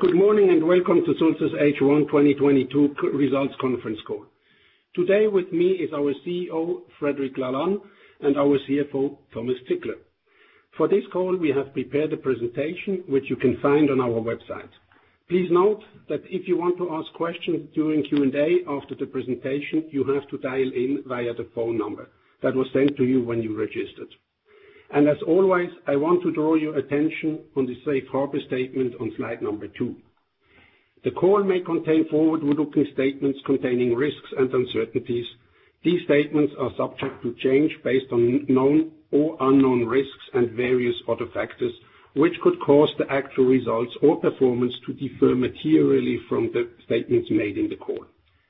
Good morning, and welcome to Sulzer's H1 2022 Q-results conference call. Today with me is our CEO, Frédéric Lalanne, and our CFO, Thomas Zickler. For this call, we have prepared a presentation which you can find on our website. Please note that if you want to ask questions during Q&A after the presentation, you have to dial in via the phone number that was sent to you when you registered. As always, I want to draw your attention on the safe harbor statement on slide number two. The call may contain forward-looking statements containing risks and uncertainties. These statements are subject to change based on known or unknown risks and various other factors which could cause the actual results or performance to differ materially from the statements made in the call.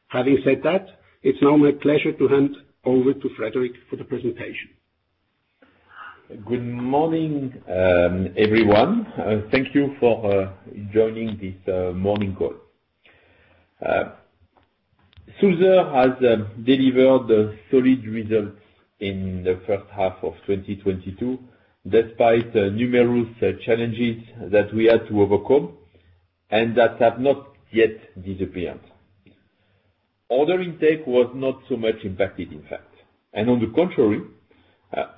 Having said that, it's now my pleasure to hand over to Frédéric for the presentation. Good morning, everyone. Thank you for joining this morning call. Sulzer has delivered solid results in the H1 of 2022, despite numerous challenges that we had to overcome and that have not yet disappeared. Order intake was not so much impacted, in fact. On the contrary,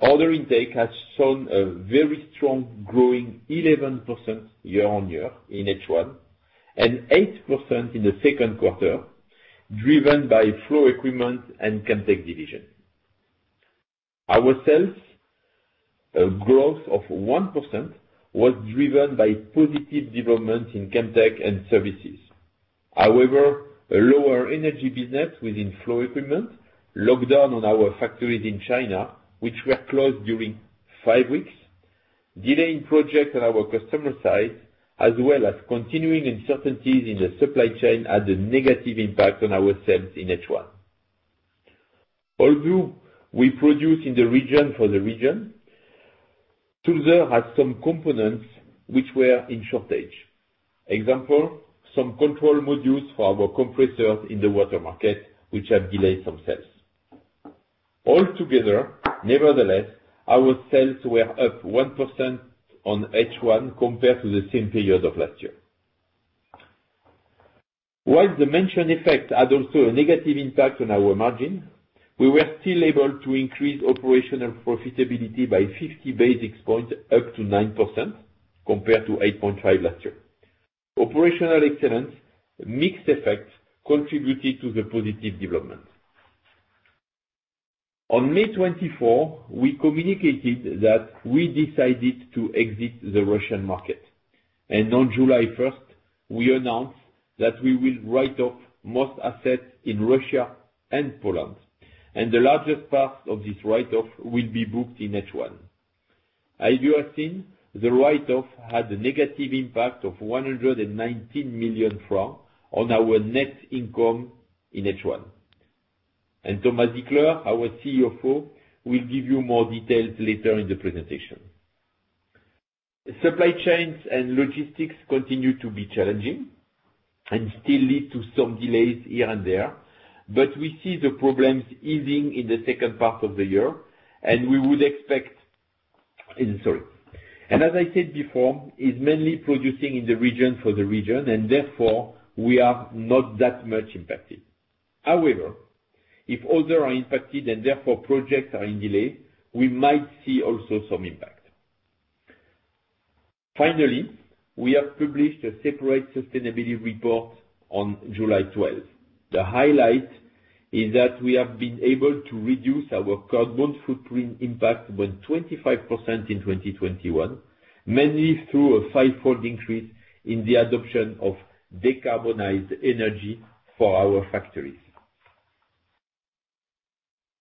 order intake has shown a very strong growth of 11% year-on-year in H1, and 8% in the Q2, driven by Flow Equipment and Chemtech division. Our sales growth of 1% was driven by positive developments in Chemtech and services. However, a lower energy business within Flow Equipment lockdown on our factories in China, which were closed during five weeks, delay in projects on our customer site, as well as continuing uncertainties in the supply chain, had a negative impact on our sales in H1. Although we produce in the region for the region, Sulzer had some components which were in shortage. Example, some control modules for our compressors in the water market, which have delayed some sales. Altogether, nevertheless, our sales were up 1% in H1 compared to the same period of last year. While the mentioned effect had also a negative impact on our margin, we were still able to increase operational profitability by 50 basis points up to 9% compared to 8.5% last year. Operational excellence mixed effects contributed to the positive development. On May 24, we communicated that we decided to exit the Russian market, and on July 1st, we announced that we will write off most assets in Russia and Poland, and the largest part of this write-off will be booked in H1. As you have seen, the write-off had a negative impact of 119 million francs on our net income in H1. Thomas Zickler, our CFO, will give you more details later in the presentation. Supply chains and logistics continue to be challenging and still lead to some delays here and there, but we see the problems easing in the second part of the year, as I said before, is mainly producing in the region for the region and therefore we are not that much impacted. However, if others are impacted and therefore projects are delayed, we might see also some impact. Finally, we have published a separate sustainability report on July twelfth. The highlight is that we have been able to reduce our carbon footprint impact by 25% in 2021, mainly through a five-fold increase in the adoption of decarbonized energy for our factories.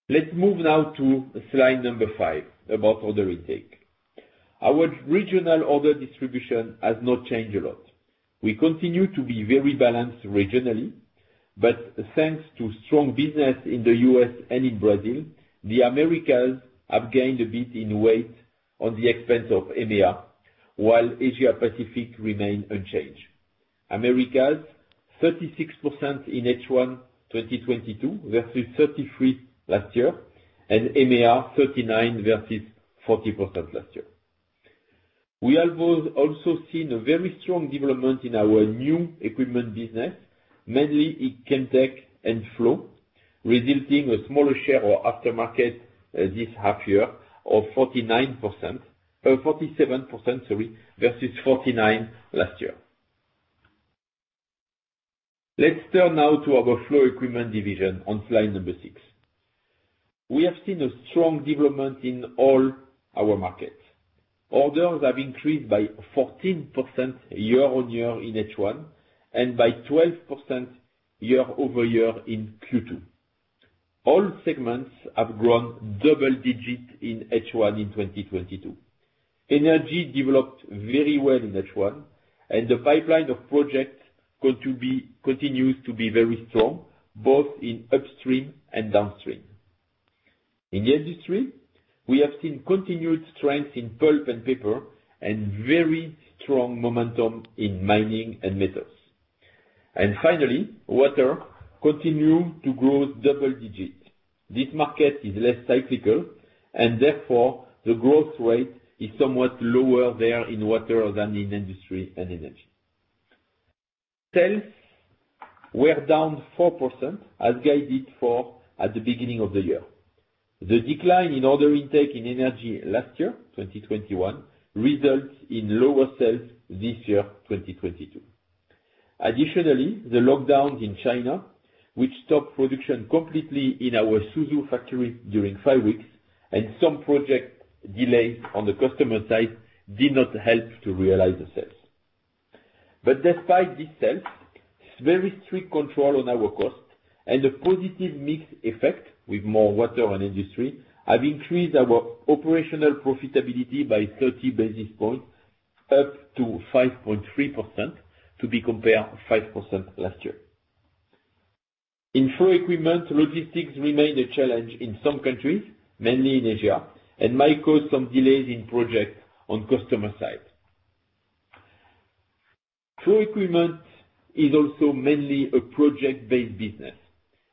Let's move now to slide number five, about order intake. Our regional order distribution has not changed a lot. We continue to be very balanced regionally, but thanks to strong business in the U.S. and in Brazil, the Americas have gained a bit in weight at the expense of EMEA, while Asia-Pacific remain unchanged. Americas, 36% in H1 2022 versus 33% last year, and EMEA, 39% versus 40% last year. We have also seen a very strong development in our new equipment business, mainly in Chemtech and Flow, resulting in a smaller share of aftermarket this half year of 47% versus 49% last year. Let's turn now to our Flow Equipment division on slide number six. We have seen a strong development in all our markets. Orders have increased by 14% year-over-year in H1, and by 12% year-over-year in Q2. All segments have grown double digits in H1 in 2022. Energy developed very well in H1, and the pipeline of projects continues to be very strong, both in upstream and downstream. In the industry, we have seen continued strength in pulp and paper and very strong momentum in mining and metals. Finally, water continues to grow double digit. This market is less cyclical and therefore the growth rate is somewhat lower there in water than in industry and energy. Sales were down 4% as guided for at the beginning of the year. The decline in order intake in energy last year, 2021, results in lower sales this year, 2022. Additionally, the lockdowns in China, which stopped production completely in our Suzhou factory during five weeks, and some project delays on the customer side did not help to realize the sales. Despite this sales, very strict control on our cost and a positive mix effect with more water and industry have increased our operational profitability by 30 basis points up to 5.3% to be compared 5% last year. In Flow Equipment, logistics remain a challenge in some countries, mainly in Asia, and might cause some delays in projects on customer side. Flow Equipment is also mainly a project-based business,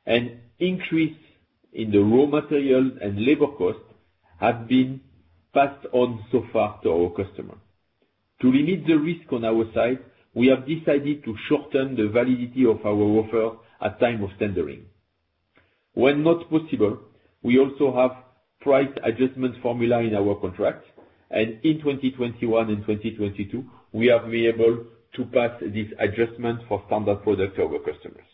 and increase in the raw material and labor cost have been passed on so far to our customers. To limit the risk on our side, we have decided to shorten the validity of our offer at time of tendering. When not possible, we also have price adjustment formula in our contract, and in 2021 and 2022, we have been able to pass this adjustment for standard products to our customers.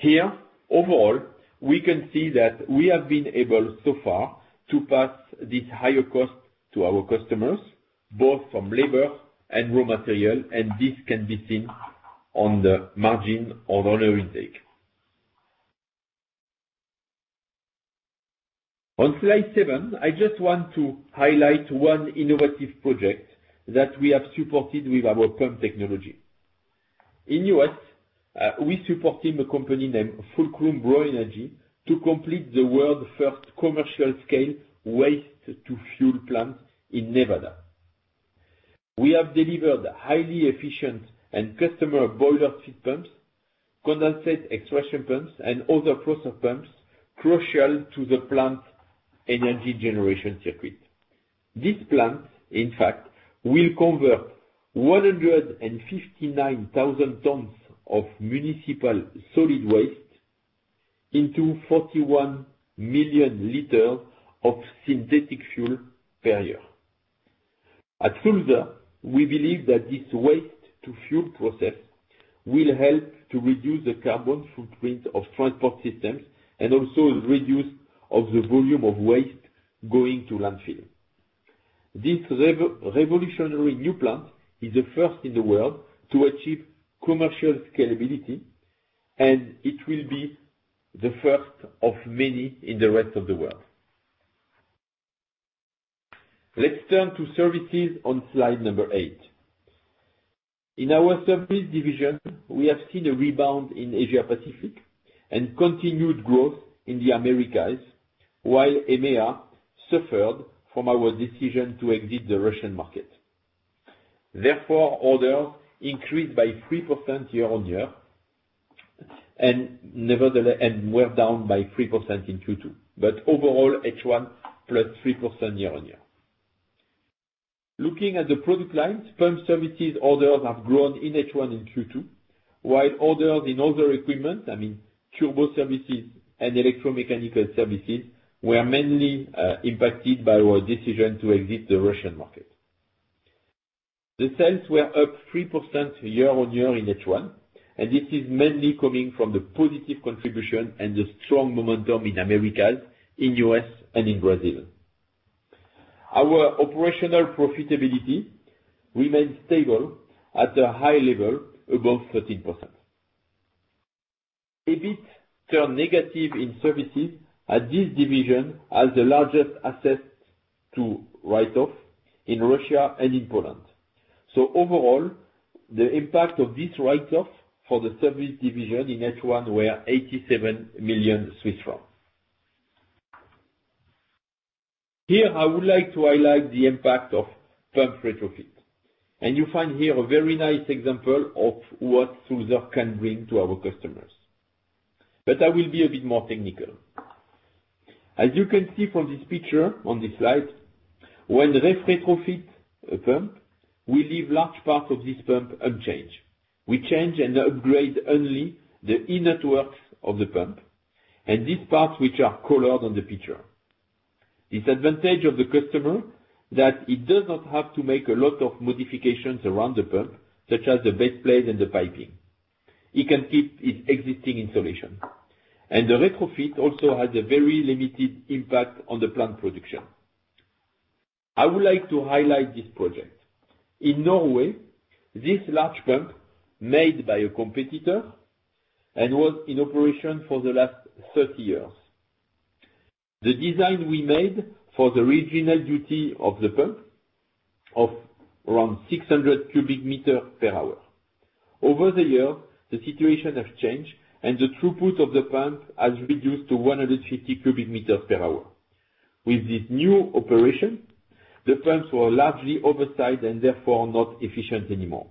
Here, overall, we can see that we have been able so far to pass this higher cost to our customers, both from labor and raw material, and this can be seen on the margin of order intake. On slide seven, I just want to highlight one innovative project that we have supported with our pump technology. In U.S., we supporting a company named Fulcrum BioEnergy to complete the world's first commercial scale waste-to-fuel plant in Nevada. We have delivered highly efficient and customer boiler feed pumps, condensate extraction pumps, and other process pumps crucial to the plant energy generation circuit. This plant, in fact, will convert 159,000 tons of municipal solid waste into 41 million liters of synthetic fuel per year. At Sulzer, we believe that this waste-to-fuel process will help to reduce the carbon footprint of transport systems and also reduce the volume of waste going to landfill. This revolutionary new plant is the first in the world to achieve commercial scalability, and it will be the first of many in the rest of the world. Let's turn to services on slide number eight. In our service division, we have seen a rebound in Asia Pacific and continued growth in the Americas while EMEA suffered from our decision to exit the Russian market. Therefore, orders increased by 3% year-on-year and nevertheless were down by 3% in Q2. Overall, H1 plus 3% year-on-year. Looking at the product lines, pump services orders have grown in H1 and Q2, while orders in other equipment, I mean, turbo services and electromechanical services, were mainly impacted by our decision to exit the Russian market. Sales were up 3% year-on-year in H1, and this is mainly coming from the positive contribution and the strong momentum in Americas, in U.S. and in Brazil. Our operational profitability remains stable at a high level above 13%. EBIT turned negative in services as this division has the largest assets to write off in Russia and in Poland. Overall, the impact of this write-off for the service division in H1 were 87 million Swiss francs. Here, I would like to highlight the impact of pump retrofit, and you find here a very nice example of what Sulzer can bring to our customers. I will be a bit more technical. As you can see from this picture on this slide, when we retrofit a pump, we leave large parts of this pump unchanged. We change and upgrade only the inner works of the pump and these parts which are colored on the picture. This advantage of the customer that it does not have to make a lot of modifications around the pump, such as the base plate and the piping. It can keep its existing installation. The retrofit also has a very limited impact on the plant production. I would like to highlight this project. In Norway, this large pump made by a competitor and was in operation for the last 30 years. The design we made for the original duty of the pump of around 600 cubic meters per hour. Over the years, the situation has changed, and the throughput of the pump has reduced to 150 cubic meters per hour. With this new operation, the pumps were largely oversized and therefore not efficient anymore.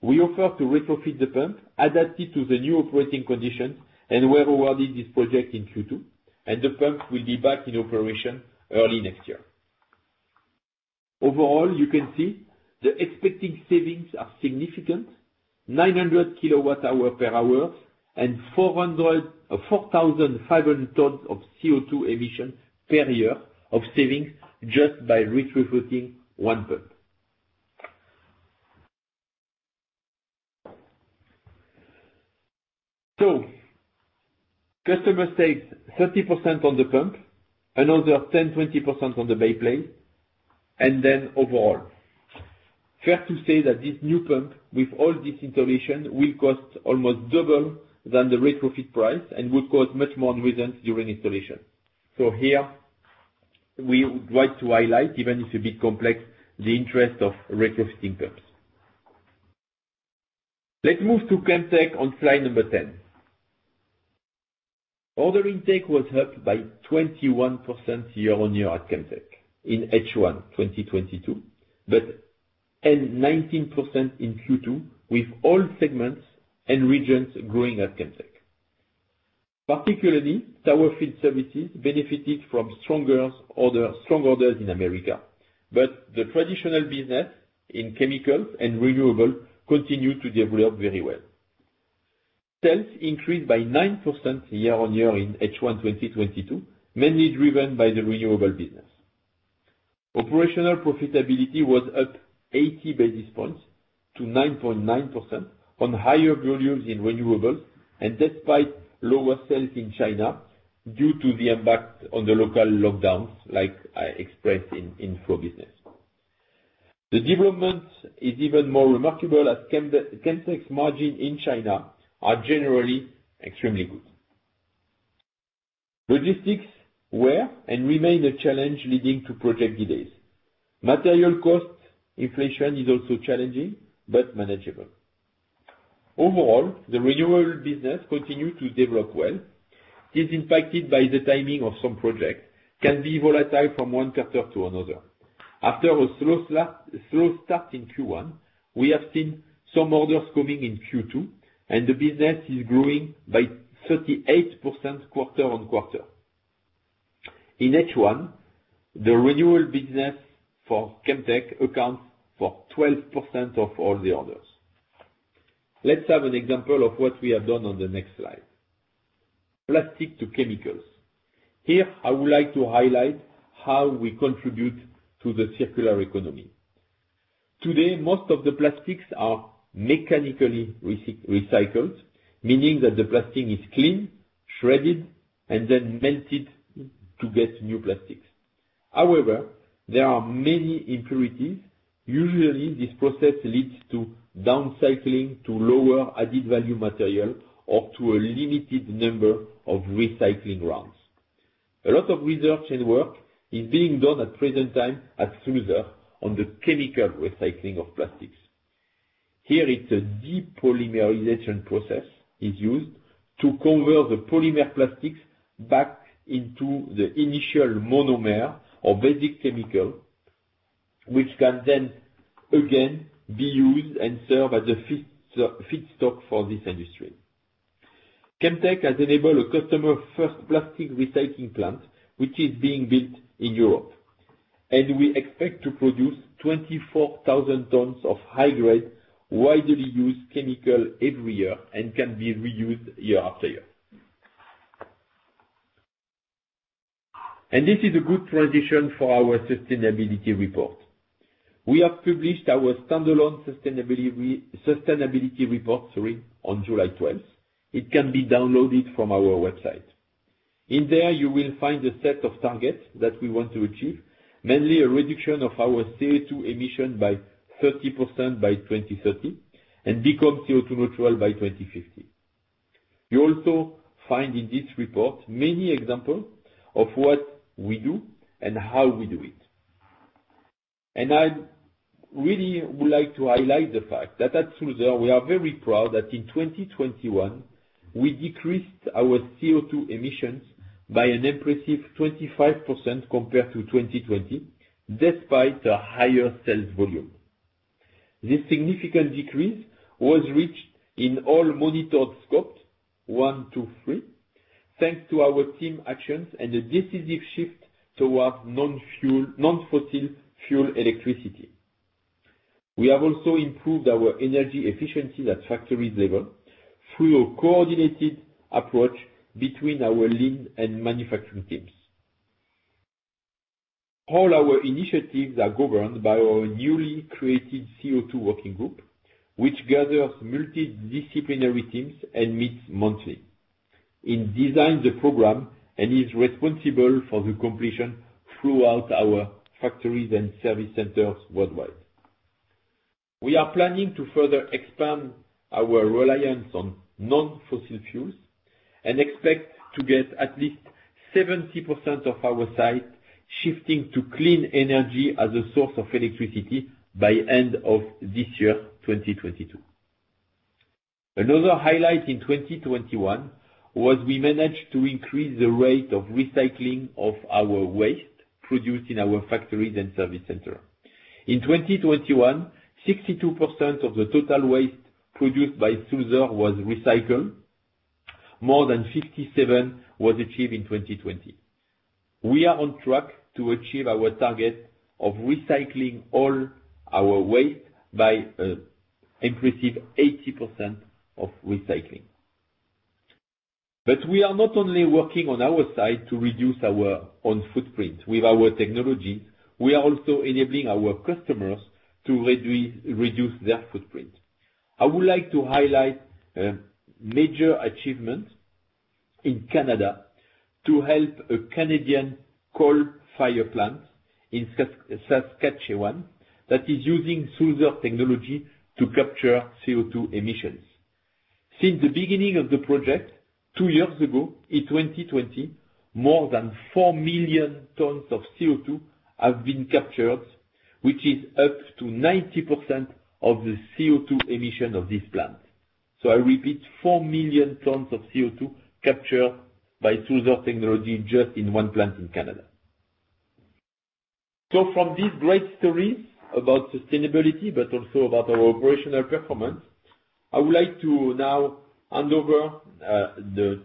We offer to retrofit the pump, adapt it to the new operating conditions, and were awarded this project in Q2, and the pump will be back in operation early next year. Overall, you can see the expected savings are significant, 900 kilowatt hours per hour and 4,500 tons of CO2 emissions per year of savings just by retrofitting one pump. Customer saves 30% on the pump, another 10%-20% on the base plate, and then overall. Fair to say that this new pump, with all this installation, will cost almost double than the retrofit price and will cause much more nuisance during installation. Here we would like to highlight, even if a bit complex, the interest of retrofitting pumps. Let's move to Chemtech on slide number 10. Order intake was up by 21% year-on-year at Chemtech in H1 2022, and 19% in Q2, with all segments and regions growing at Chemtech. Particularly, tower field services benefited from strong orders in America, but the traditional business in chemicals and renewable continue to develop very well. Sales increased by 9% year-on-year in H1 2022, mainly driven by the renewable business. Operational profitability was up 80 basis points to 9.9% on higher volumes in renewables and despite lower sales in China due to the impact on the local lockdowns, like I expressed in flow business. The development is even more remarkable as Chemtech's margin in China are generally extremely good. Logistics were and remain a challenge leading to project delays. Material costs inflation is also challenging but manageable. Overall, the renewable business continue to develop well, is impacted by the timing of some projects, can be volatile from one quarter to another. After a slow start in Q1, we have seen some orders coming in Q2, and the business is growing by 38% quarter on quarter. In H1, the renewable business for Chemtech accounts for 12% of all the orders. Let's have an example of what we have done on the next slide. Plastic to chemicals. Here, I would like to highlight how we contribute to the circular economy. Today, most of the plastics are mechanically recycled, meaning that the plastic is cleaned, shredded, and then melted to get new plastics. However, there are many impurities. Usually, this process leads to down cycling to lower added value material or to a limited number of recycling rounds. A lot of research and work is being done at present time at Sulzer on the chemical recycling of plastics. Here it's a depolymerization process is used to convert the polymer plastics back into the initial monomer or basic chemical, which can then again be used and serve as a feedstock for this industry. Chemtech has enabled a customer first plastic recycling plant, which is being built in Europe, and we expect to produce 24,000 tons of high-grade, widely used chemical every year and can be reused year after year. This is a good transition for our sustainability report. We have published our standalone sustainability report story on July 12. It can be downloaded from our website. In there, you will find a set of targets that we want to achieve, mainly a reduction of our CO2 emission by 30% by 2030 and become CO2 neutral by 2050. You also find in this report many example of what we do and how we do it. I really would like to highlight the fact that at Sulzer we are very proud that in 2021 we decreased our CO2 emissions by an impressive 25% compared to 2020, despite a higher sales volume. This significant decrease was reached in all monitored Scope one, two, three, thanks to our team actions and a decisive shift towards non-fossil fuel electricity. We have also improved our energy efficiency at factories level through a coordinated approach between our lean and manufacturing teams. All our initiatives are governed by our newly created CO₂ working group, which gathers multidisciplinary teams and meets monthly. It designs the program and is responsible for the completion throughout our factories and service centers worldwide. We are planning to further expand our reliance on non-fossil fuels and expect to get at least 70% of our site shifting to clean energy as a source of electricity by end of this year, 2022. Another highlight in 2021 was we managed to increase the rate of recycling of our waste produced in our factories and service center. In 2021, 62% of the total waste produced by Sulzer was recycled. More than 57% was achieved in 2020. We are on track to achieve our target of recycling all our waste by increasing 80% of recycling. We are not only working on our side to reduce our own footprint. With our technology, we are also enabling our customers to reduce their footprint. I would like to highlight major achievements in Canada to help a Canadian coal-fired plant in Saskatchewan that is using Sulzer technology to capture CO₂ emissions. Since the beginning of the project two years ago, in 2020, more than 4 million tons of CO₂ have been captured, which is up to 90% of the CO₂ emission of this plant. I repeat, 4 million tons of CO₂ captured by Sulzer technology just in one plant in Canada. From these great stories about sustainability, but also about our operational performance, I would like to now hand over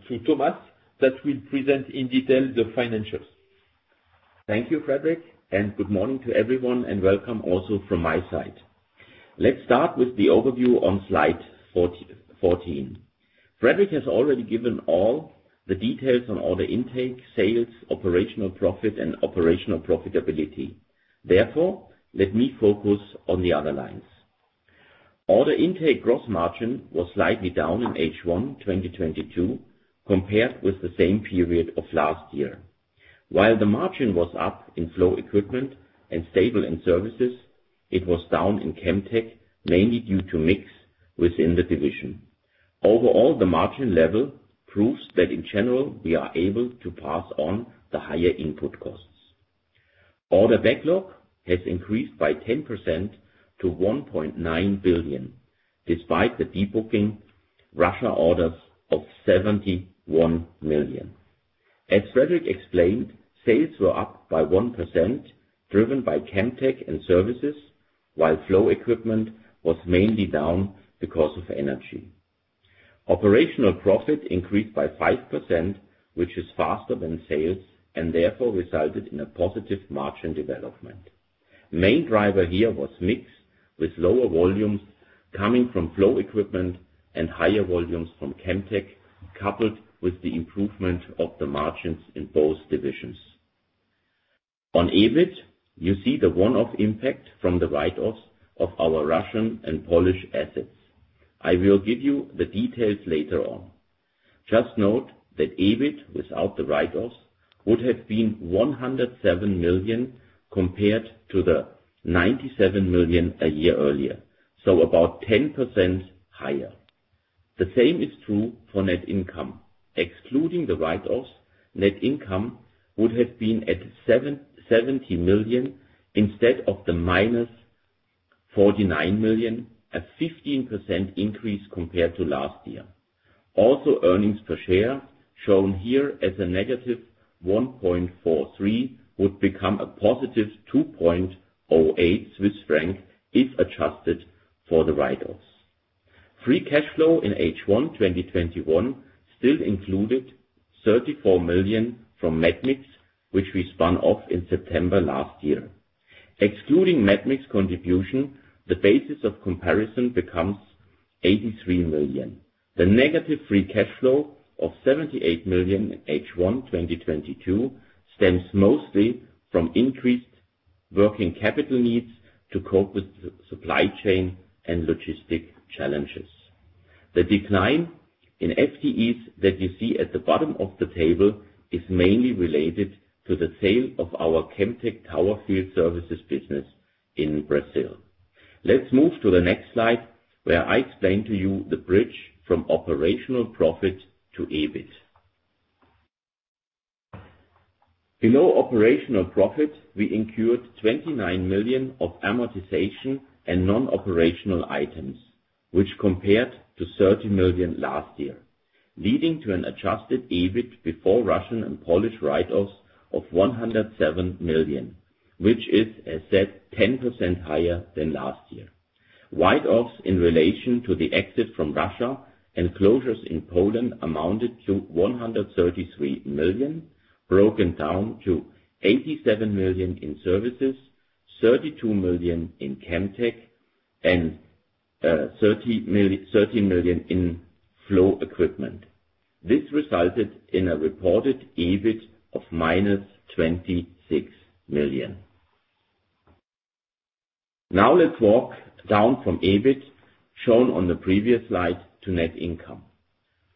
to Thomas, who will present in detail the financials. Thank you, Frédéric, and good morning to everyone, and welcome also from my side. Let's start with the overview on slide 41. Frédéric has already given all the details on order intake, sales, operational profit, and operational profitability. Therefore, let me focus on the other lines. Order intake gross margin was slightly down in H1 2022, compared with the same period of last year. While the margin was up in Flow Equipment and stable in Services, it was down in Chemtech, mainly due to mix within the division. Overall, the margin level proves that in general, we are able to pass on the higher input costs. Order backlog has increased by 10% to 1.9 billion, despite the de-booking Russia orders of 71 million. As Frédéric explained, sales were up by 1%, driven by Chemtech and services, while Flow Equipment was mainly down because of energy. Operational profit increased by 5%, which is faster than sales and therefore resulted in a positive margin development. Main driver here was mix, with lower volumes coming from Flow Equipment and higher volumes from Chemtech, coupled with the improvement of the margins in both divisions. On EBIT, you see the one-off impact from the write-offs of our Russian and Polish assets. I will give you the details later on. Just note that EBIT, without the write-offs, would have been 107 million compared to the 97 million a year earlier, so about 10% higher. The same is true for net income. Excluding the write-offs, net income would have been 770 million instead of the -49 million, a 15% increase compared to last year. Earnings per share, shown here as a -1.43, would become a +2.08 Swiss franc if adjusted for the write-offs. Free cash flow in H1 2021 still included 34 million from medmix, which we spun off in September last year. Excluding medmix contribution, the basis of comparison becomes 83 million. The negative free cash flow of 78 million in H1 2022 stems mostly from increased working capital needs to cope with supply chain and logistics challenges. The decline in FTEs that you see at the bottom of the table is mainly related to the sale of our Chemtech tower field services business in Brazil. Let's move to the next slide, where I explain to you the bridge from operational profit to EBIT. Below operational profit, we incurred 29 million of amortization and non-operational items, which compared to 30 million last year, leading to an adjusted EBIT before Russian and Polish write-offs of 107 million, which is, as said, 10% higher than last year. Write-offs in relation to the exit from Russia and closures in Poland amounted to 133 million, broken down to 87 million in services, 32 million in Chemtech, and thirty million in Flow Equipment. This resulted in a reported EBIT of -26 million. Now let's walk down from EBIT, shown on the previous slide, to net income.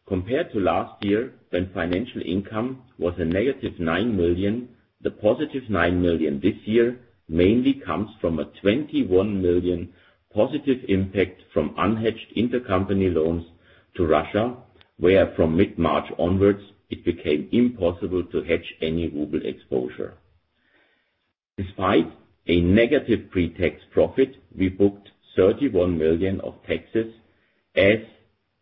Compared to last year, when financial income was a negative 9 million, the positive 9 million this year mainly comes from a 21 million positive impact from unhedged intercompany loans to Russia, where from mid-March onwards, it became impossible to hedge any ruble exposure. Despite a negative pre-tax profit, we booked 31 million of taxes as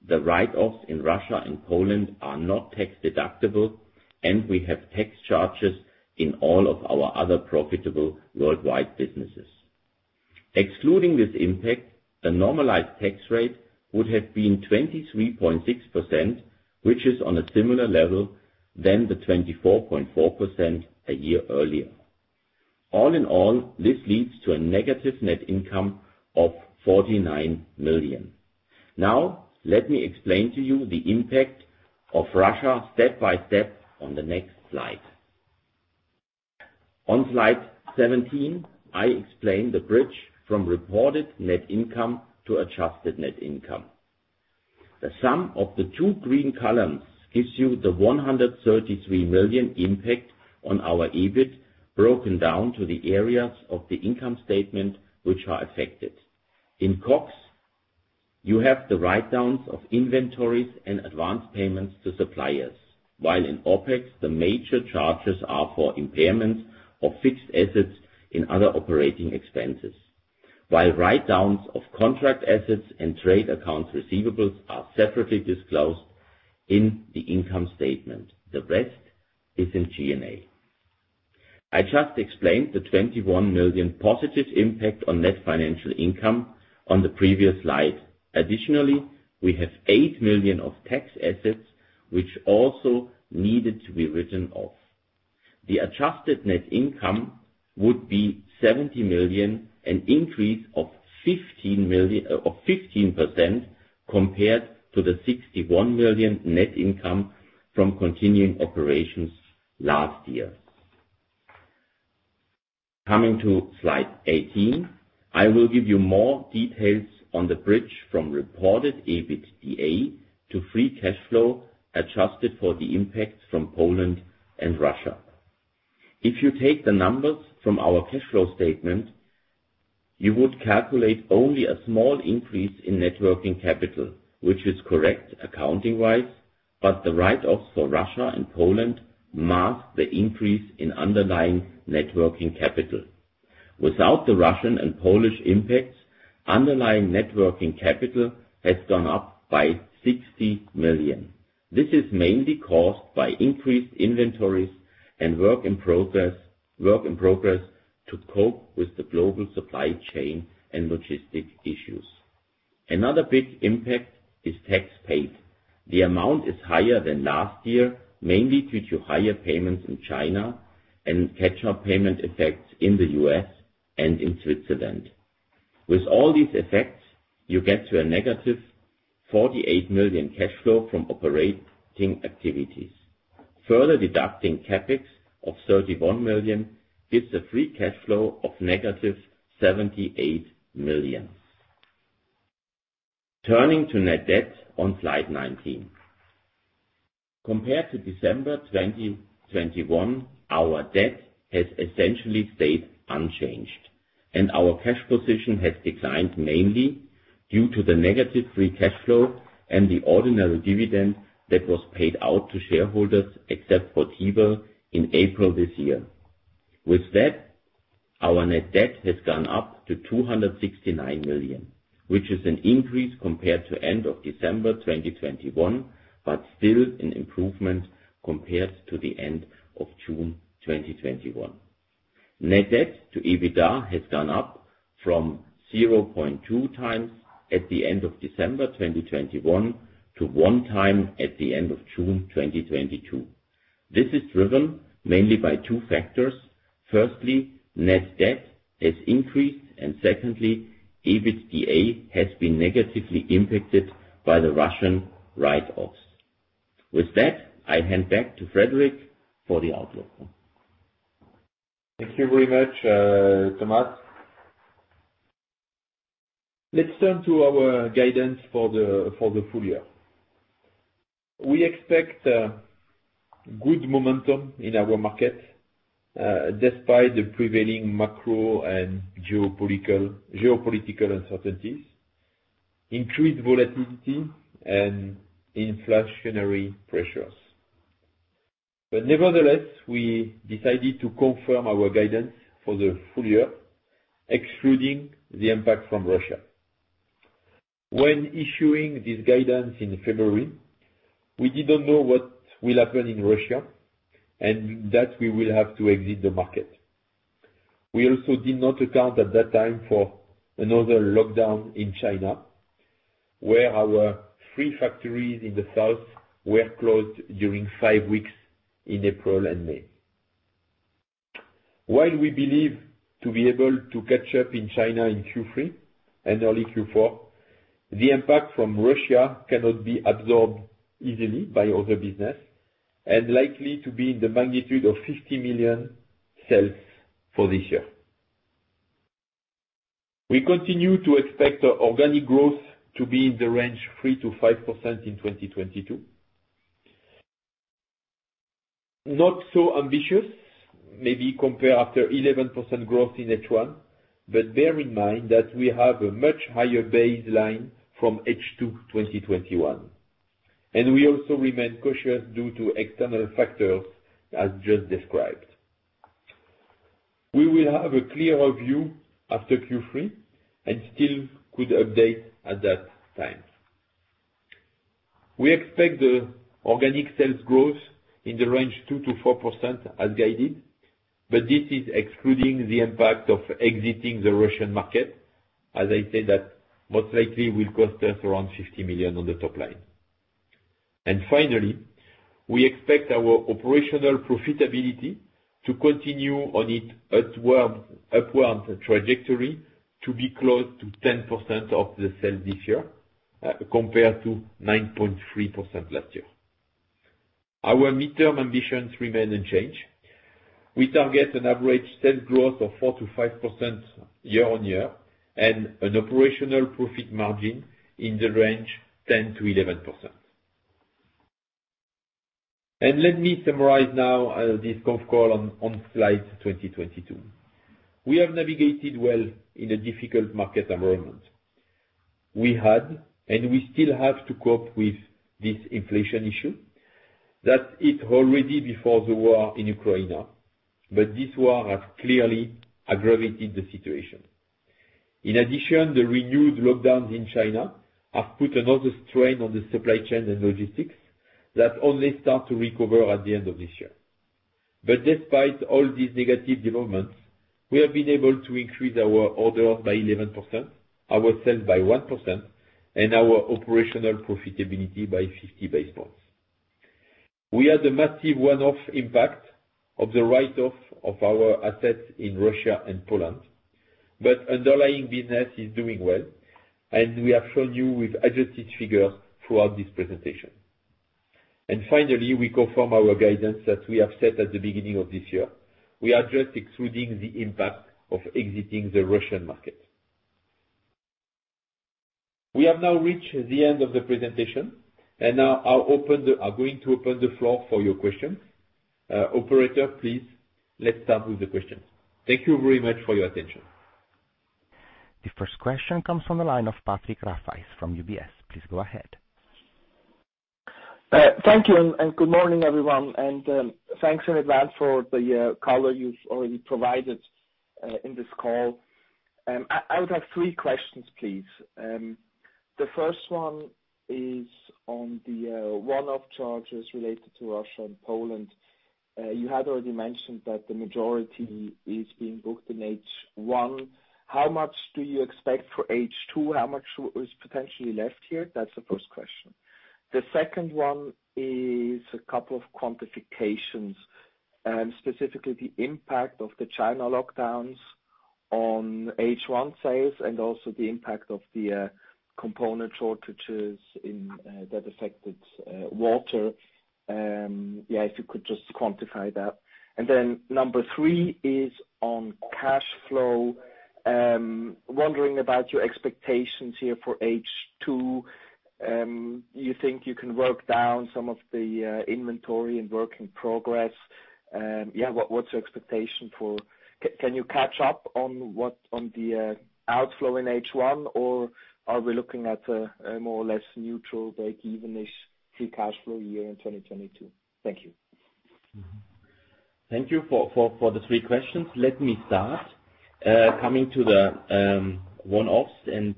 the write-offs in Russia and Poland are not tax deductible, and we have tax charges in all of our other profitable worldwide businesses. Excluding this impact, the normalized tax rate would have been 23.6%, which is on a similar level than the 24.4% a year earlier. All in all, this leads to a negative net income of 49 million. Now let me explain to you the impact of Russia step by step on the next slide. On slide 17, I explain the bridge from reported net income to adjusted net income. The sum of the two green columns gives you the 133 million impact on our EBIT, broken down to the areas of the income statement which are affected. In COGS, you have the write-downs of inventories and advanced payments to suppliers. While in OpEx, the major charges are for impairment of fixed assets in other operating expenses. While write-downs of contract assets and trade accounts receivables are separately disclosed in the income statement. The rest is in G&A. I just explained the 21 million positive impact on net financial income on the previous slide. Additionally, we have 8 million of tax assets which also needed to be written off. The adjusted net income would be 70 million, an increase of 15 million of 15% compared to the 61 million net income from continuing operations last year. Coming to slide 18, I will give you more details on the bridge from reported EBITDA to free cash flow, adjusted for the impact from Poland and Russia. If you take the numbers from our cash flow statement, you would calculate only a small increase in net working capital, which is correct accounting-wise, but the write-offs for Russia and Poland mask the increase in underlying net working capital. Without the Russian and Polish impacts, underlying net working capital has gone up by 60 million. This is mainly caused by increased inventories and work in progress to cope with the global supply chain and logistics issues. Another big impact is tax paid. The amount is higher than last year, mainly due to higher payments in China and catch-up payment effects in the U.S. and in Switzerland. With all these effects, you get to a negative 48 million cash flow from operating activities. Further deducting CapEx of 31 million gives a free cash flow of negative 78 million. Turning to net debt on slide 19. Compared to December 2021, our debt has essentially stayed unchanged, and our cash position has declined mainly due to the negative free cash flow and the ordinary dividend that was paid out to shareholders, except for Tiwel, in April this year. With that, our net debt has gone up to 269 million, which is an increase compared to end of December 2021, but still an improvement compared to the end of June 2021. Net debt to EBITDA has gone up from 0.2x at the end of December 2021 to 1x at the end of June 2022. This is driven mainly by two factors. Firstly, net debt has increased, and secondly, EBITDA has been negatively impacted by the Russian write-offs. With that, I hand back to Frédéric for the outlook. Thank you very much, Thomas. Let's turn to our guidance for the full year. We expect good momentum in our market despite the prevailing macro and geopolitical uncertainties, increased volatility, and inflationary pressures. Nevertheless, we decided to confirm our guidance for the full year, excluding the impact from Russia. When issuing this guidance in February, we didn't know what will happen in Russia and that we will have to exit the market. We also did not account at that time for another lockdown in China, where our three factories in the South were closed during five weeks in April and May. While we believe to be able to catch up in China in Q3 and early Q4, the impact from Russia cannot be absorbed easily by other business and likely to be in the magnitude of 50 million sales for this year. We continue to expect organic growth to be in the range 3%-5% in 2022. Not so ambitious, maybe compared to 11% growth in H1. Bear in mind that we have a much higher baseline from H2 2021. We also remain cautious due to external factors as just described. We will have a clearer view after Q3 and still could update at that time. We expect the organic sales growth in the range 2%-4% as guided, but this is excluding the impact of exiting the Russian market. As I said, that most likely will cost us around 50 million on the top line. Finally, we expect our operational profitability to continue on its upward trajectory to be close to 10% of the sales this year, compared to 9.3% last year. Our midterm ambitions remain unchanged. We target an average sales growth of 4%-5% year-on-year, and an operational profit margin in the range 10%-11%. Let me summarize now, this conf call on slide 22. We have navigated well in a difficult market environment. We had, and we still have to cope with this inflation issue. That it already before the war in Ukraine, but this war has clearly aggravated the situation. In addition, the renewed lockdowns in China have put another strain on the supply chain and logistics that only start to recover at the end of this year. Despite all these negative developments, we have been able to increase our orders by 11%, our sales by 1%, and our operational profitability by 50 basis points. We had a massive one-off impact of the write-off of our assets in Russia and Poland, but underlying business is doing well, and we have shown you with adjusted figures throughout this presentation. Finally, we confirm our guidance that we have set at the beginning of this year. We are just excluding the impact of exiting the Russian market. We have now reached the end of the presentation, and now I'm going to open the floor for your questions. Operator, please, let's start with the questions. Thank you very much for your attention. The first question comes from the line of Patrick Rafaisz from UBS. Please go ahead. Thank you, and good morning, everyone. Thanks in advance for the color you've already provided in this call. I would have three questions, please. The first one is on the one-off charges related to Russia and Poland. You had already mentioned that the majority is being booked in H1. How much do you expect for H2? How much is potentially left here? That's the first question. The second one is a couple of quantifications, specifically the impact of the China lockdowns on H1 sales and also the impact of the component shortages in that affected water. Yeah, if you could just quantify that. Then number three is on cash flow. Wondering about your expectations here for H2. You think you can work down some of the inventory and work in progress. Yeah, what's your expectation for can you catch up on the outflow in H1, or are we looking at a more or less neutral break-evenish free cash flow year in 2022? Thank you. Mm-hmm. Thank you for the three questions. Let me start coming to the one-offs and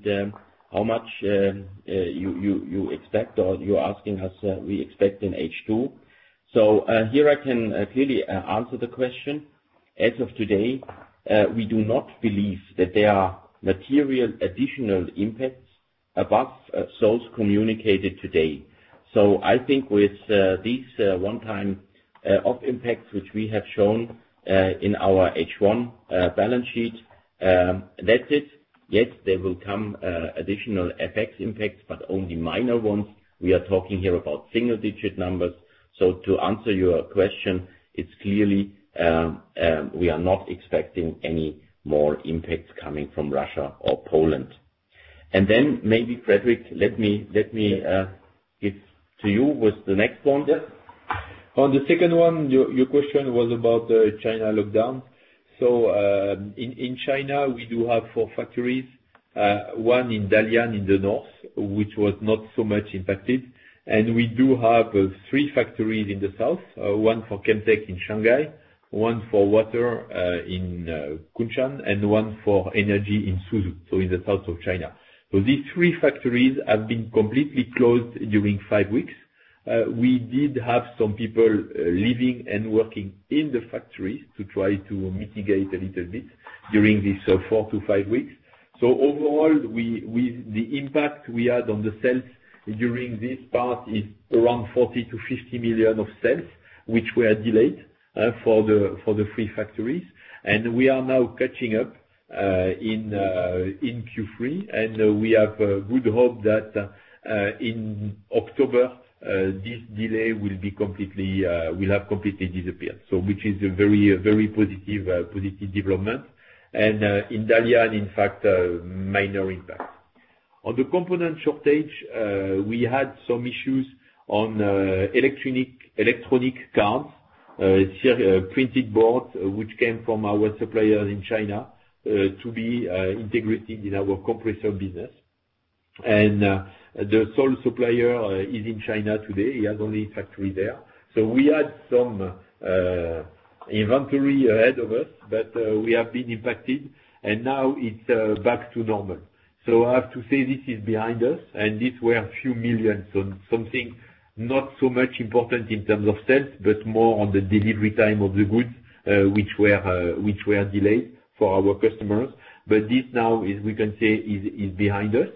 how much you expect or you're asking us we expect in H2. Here I can clearly answer the question. As of today, we do not believe that there are material additional impacts above those communicated today. I think with these one-off impacts which we have shown in our H1 balance sheet, that's it. Yes, there will come additional FX impacts, but only minor ones. We are talking here about single-digit numbers. To answer your question, it's clearly we are not expecting any more impacts coming from Russia or Poland. Then maybe Frédéric, let me give to you with the next one. Yes. On the second one, your question was about the China lockdown. In China, we do have four factories, one in Dalian in the north, which was not so much impacted. We do have three factories in the south, one for Chemtech in Shanghai, one for water in Kunshan, and one for energy in Suzhou, so in the south of China. These three factories have been completely closed during five weeks. We did have some people living and working in the factories to try to mitigate a little bit during this four to five weeks. Overall, the impact we had on the sales during this part is around 40 million-50 million of sales, which were delayed for the three factories. We are now catching up in Q3, and we have a good hope that in October this delay will have completely disappeared. Which is a very positive development. In Dalian, in fact, minor impact. On the component shortage, we had some issues on electronic cards. It's the printed board which came from our suppliers in China to be integrated in our compressor business. The sole supplier is in China today. He has only a factory there. We had some inventory ahead of us, but we have been impacted and now it's back to normal. I have to say this is behind us, and these were a few million CHF. Something not so much important in terms of sales, but more on the delivery time of the goods, which were delayed for our customers. This now is, we can say, behind us.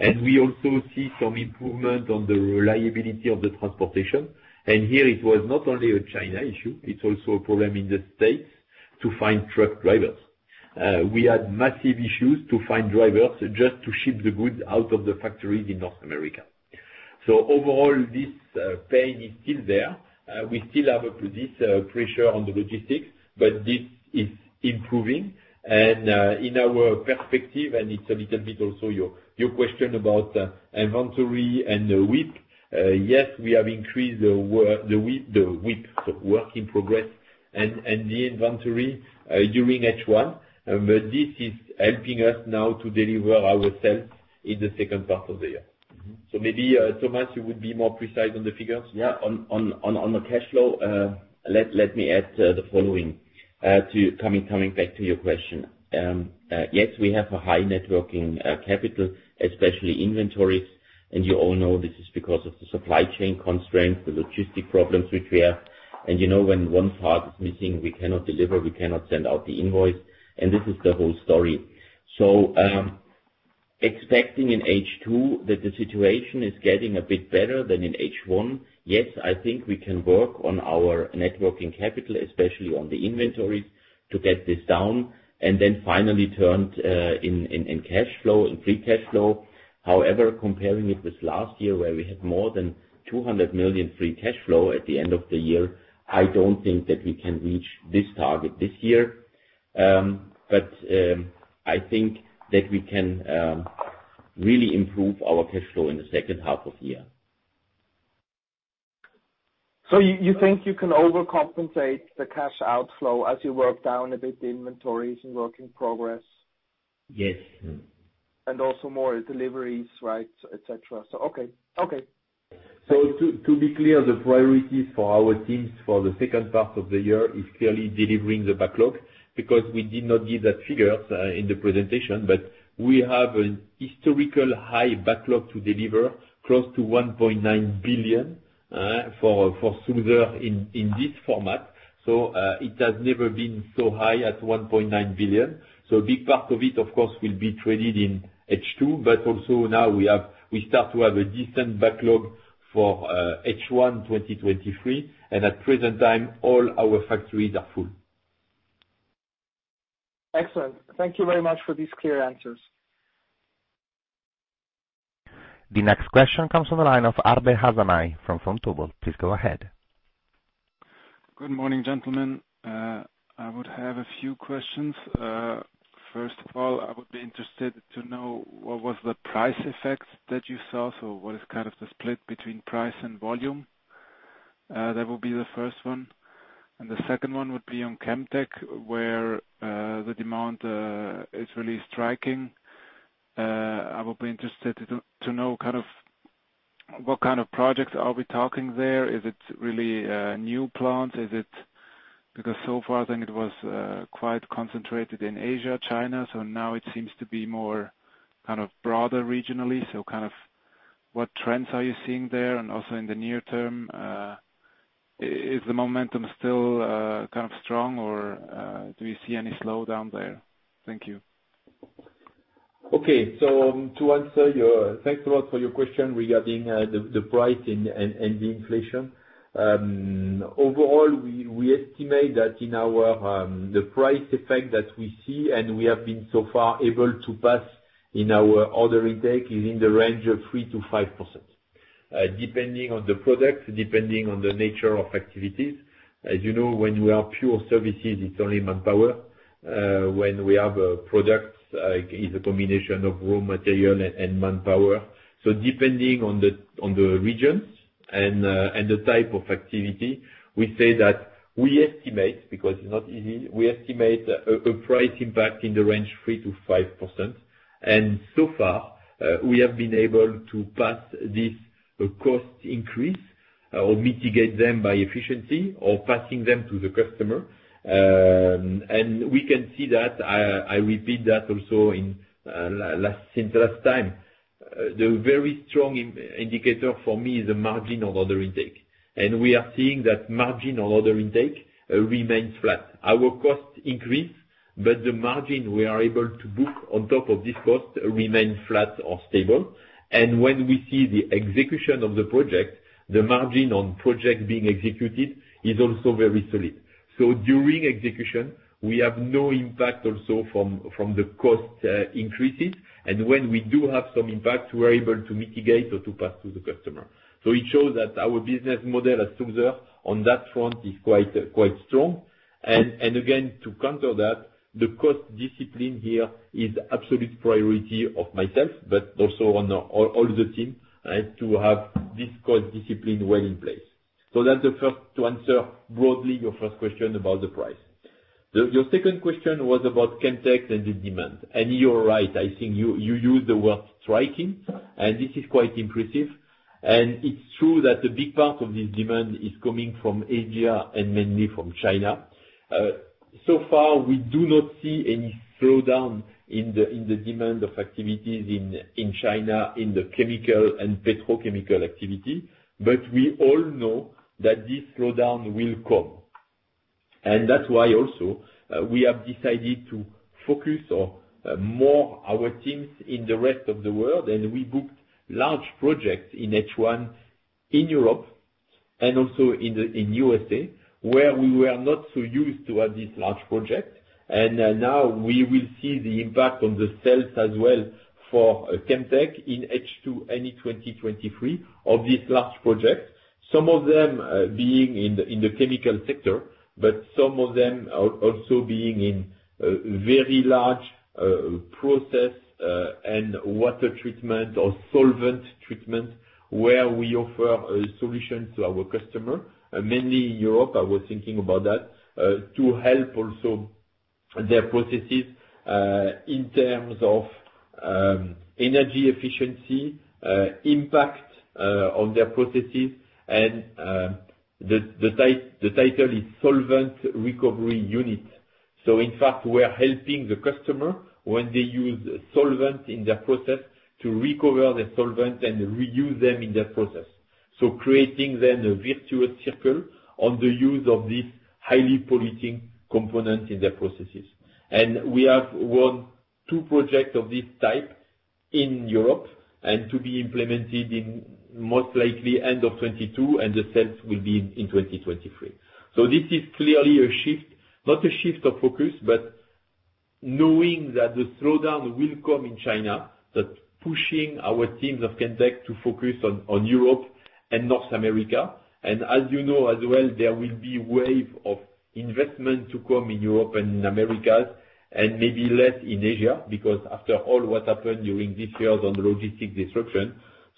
We also see some improvement on the reliability of the transportation. Here, it was not only a China issue, it's also a problem in the States to find truck drivers. We had massive issues to find drivers just to ship the goods out of the factories in North America. Overall, this pain is still there. We still have this pressure on the logistics, but this is improving. In our perspective, and it's a little bit also your question about inventory and the WIP. Yes, we have increased the WIP, so work in progress, and the inventory during H1. This is helping us now to deliver our sales in the second part of the year. Mm-hmm. Maybe, Thomas, you would be more precise on the figures. Yeah. On the cash flow, let me add the following, coming back to your question. Yes, we have a high net working capital, especially inventories. You all know this is because of the supply chain constraints, the logistics problems which we have. You know, when one part is missing, we cannot deliver, we cannot send out the invoice, and this is the whole story. Expecting in H2 that the situation is getting a bit better than in H1, yes, I think we can work on our net working capital, especially on the inventories, to get this down. Then finally turn in cash flow, in free cash flow. However, comparing it with last year, where we had more than 200 million free cash flow at the end of the year, I don't think that we can reach this target this year. I think that we can really improve our cash flow in the H2 of the year. You think you can overcompensate the cash outflow as you work down a bit the inventories and work in progress? Yes. Also more deliveries, right, et cetera. Okay. To be clear, the priorities for our teams for the second part of the year is clearly delivering the backlog, because we did not give that figure in the presentation. We have an historical high backlog to deliver, close to 1.9 billion for Sulzer in this format. It has never been so high at 1.9 billion. A big part of it, of course, will be traded in H2, but also now we start to have a decent backlog for H1 2023. At present time, all our factories are full. Excellent. Thank you very much for these clear answers. The next question comes from the line of Ardem Hasani from Stifel. Please go ahead. Good morning, gentlemen. I would have a few questions. First of all, I would be interested to know what was the price effect that you saw. What is kind of the split between price and volume? That will be the first one. The second one would be on Chemtech, where the demand is really striking. I would be interested to know kind of what kind of projects are we talking there. Is it really a new plant? Because so far, I think it was quite concentrated in Asia, China. Now it seems to be more kind of broader regionally. What trends are you seeing there? Also in the near term, is the momentum still kind of strong or do you see any slowdown there? Thank you. Thanks a lot for your question regarding the price and the inflation. Overall, we estimate that in our the price effect that we see and we have been so far able to pass in our order intake is in the range of 3%-5%. Depending on the product, depending on the nature of activities. As you know, when we have pure services, it's only manpower. When we have a product, it's a combination of raw material and manpower. Depending on the regions and the type of activity, we say that we estimate, because it's not easy, we estimate a price impact in the range 3%-5%. We have been able to pass this cost increase or mitigate them by efficiency or passing them to the customer. We can see that I repeat that also since last time. The very strong indicator for me is the margin of order intake. We are seeing that margin on order intake remains flat. Our costs increase, but the margin we are able to book on top of this cost remain flat or stable. When we see the execution of the project, the margin on project being executed is also very solid. During execution, we have no impact also from the cost increases. When we do have some impact, we're able to mitigate or to pass through the customer. It shows that our business model at Sulzer on that front is quite strong. Again, to counter that, the cost discipline here is absolute priority of myself, but also on all the teams, right, to have this cost discipline well in place. That's the first to answer broadly your first question about the price. Your second question was about Chemtech and the demand. You're right, I think you used the word striking, and this is quite impressive. It's true that a big part of this demand is coming from Asia and mainly from China. So far, we do not see any slowdown in the demand of activities in China, in the chemical and petrochemical activity. We all know that this slowdown will come. That's why also we have decided to focus more on our teams in the rest of the world, and we booked large projects in H1 in Europe and also in the USA, where we were not so used to have this large project. Now we will see the impact on the sales as well for Chemtech in H2 and in 2023 of this large project. Some of them being in the chemical sector, but some of them also being in very large process and water treatment or solvent treatment where we offer a solution to our customer, mainly in Europe, I was thinking about that to help also their processes in terms of energy efficiency impact on their processes and the title is Solvent Recovery Unit. In fact, we are helping the customer when they use solvent in their process to recover the solvent and reuse them in their process. Creating then a virtuous circle on the use of this highly polluting component in their processes. We have won two projects of this type in Europe and to be implemented in most likely end of 2022, and the sales will be in 2023. This is clearly a shift, not a shift of focus, but knowing that the slowdown will come in China, that pushing our teams of Chemtech to focus on Europe and North America. As you know as well, there will be wave of investment to come in Europe and in Americas and maybe less in Asia because after all what happened during this year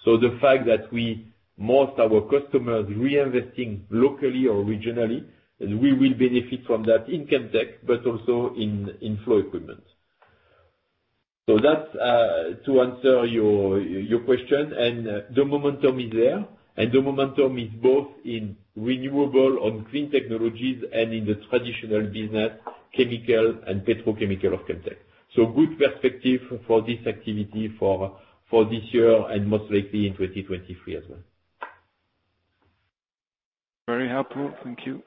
on logistics disruption. The fact that we... Most of our customers reinvesting locally or regionally, and we will benefit from that in Chemtech, but also in Flow Equipment. That's to answer your question. The momentum is there, and the momentum is both in renewables and clean technologies and in the traditional business, chemical and petrochemical of Chemtech. Good perspective for this activity for this year and most likely in 2023 as well. Very helpful. Thank you.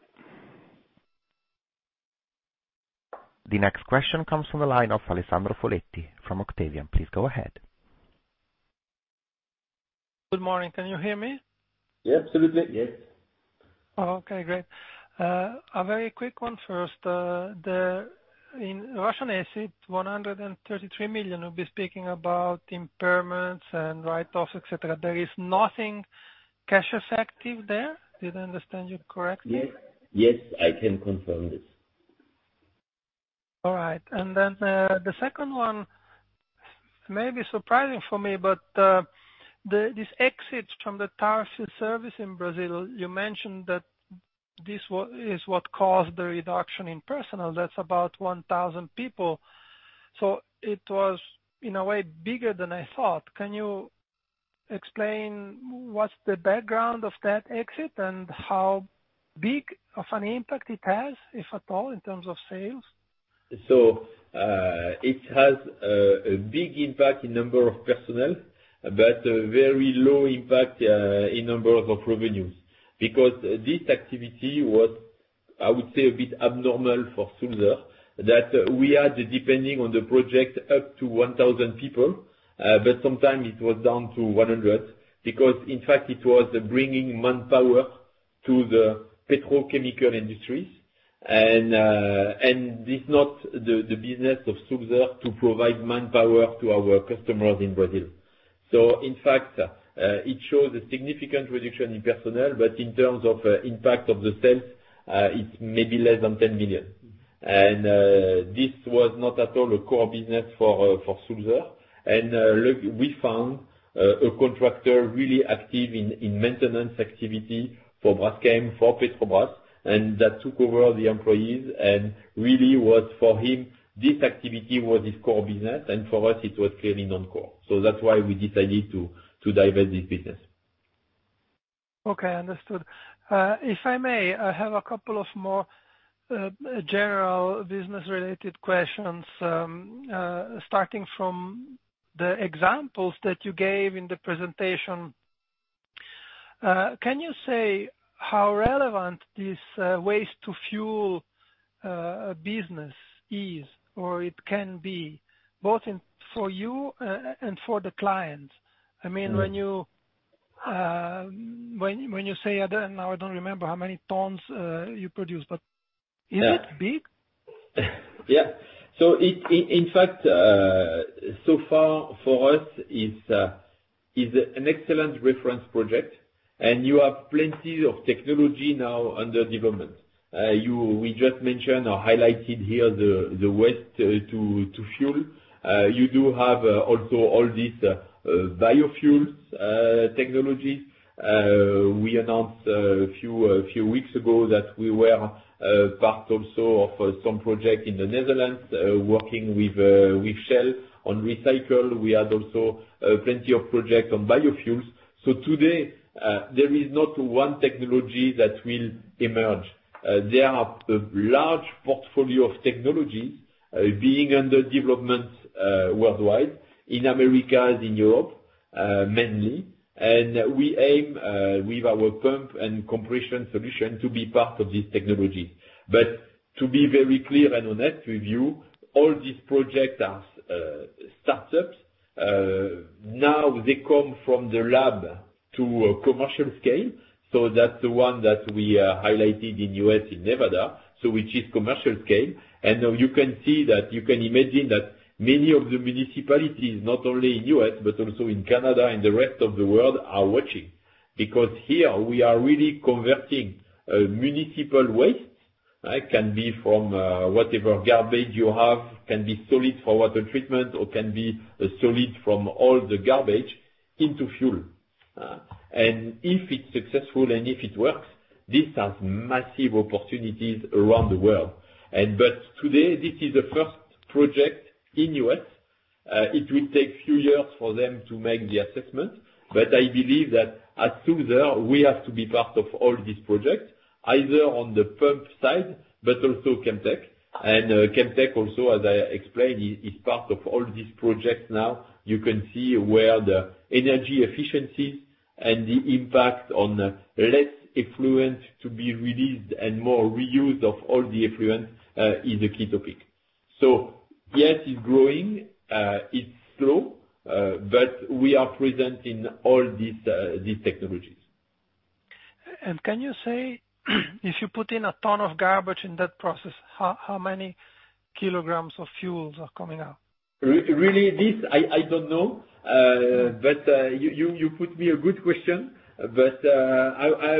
The next question comes from the line of Alessandro Foletti from Octavian. Please go ahead. Good morning. Can you hear me? Yeah, absolutely. Yes. Okay, great. A very quick one first. In Russian asset, 133 million, you'll be speaking about impairments and write-offs, et cetera. There is nothing cash effective there? Did I understand you correctly? Yes. Yes, I can confirm this. All right. The second one may be surprising for me, but this exit from the Tariffs service in Brazil, you mentioned that this was what caused the reduction in personnel. That's about 1,000 people. It was, in a way, bigger than I thought. Can you explain what's the background of that exit and how big of an impact it has, if at all, in terms of sales? It has a big impact in number of personnel, but a very low impact in number of revenues. Because this activity was, I would say, a bit abnormal for Sulzer, that we are depending on the project up to 1,000 people, but sometimes it was down to 100 because, in fact, it was bringing manpower to the petrochemical industries. This is not the business of Sulzer to provide manpower to our customers in Brazil. In fact, it shows a significant reduction in personnel, but in terms of impact of the sales, it's maybe less than 10 million. This was not at all a core business for Sulzer. look, we found a contractor really active in maintenance activity for Braskem, for Petrobras, and that took over the employees and really was, for him, this activity was his core business, and for us it was clearly non-core. That's why we decided to divest this business. Okay, understood. If I may, I have a couple of more general business-related questions, starting from the examples that you gave in the presentation. Can you say how relevant this waste to fuel business is or it can be, both in for you and for the client? I mean, when you say, now I don't remember how many tons you produce, but is it big? In fact, so far for us is an excellent reference project, and you have plenty of technology now under development. We just mentioned or highlighted here the waste to fuel. You do have also all these biofuels technology. We announced a few weeks ago that we were part also of some project in the Netherlands, working with Shell on recycle. We had also plenty of projects on biofuels. Today, there is not one technology that will emerge. There are a large portfolio of technologies being under development worldwide in Americas, in Europe, mainly. We aim with our pump and compression solution to be part of this technology. To be very clear and honest with you, all these projects are startups. Now they come from the lab to a commercial scale, so that's the one that we are highlighted in U.S., in Nevada, so which is commercial scale. You can see that, you can imagine that many of the municipalities, not only in U.S., but also in Canada and the rest of the world are watching. Because here we are really converting municipal waste. It can be from whatever garbage you have, can be solid for water treatment, or can be a solid from all the garbage into fuel. If it's successful and if it works, this has massive opportunities around the world. Today, this is the first project in U.S. It will take few years for them to make the assessment, but I believe that at Sulzer, we have to be part of all these projects, either on the pump side, but also Chemtech. Chemtech also, as I explained, is part of all these projects now. You can see where the energy efficiencies and the impact on less effluent to be released and more reuse of all the effluent is a key topic. Yes, it's growing. It's slow, but we are present in all these technologies. Can you say if you put in a ton of garbage in that process, how many kilograms of fuels are coming out? Really, I don't know. You put me a good question, but I